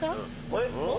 えっ？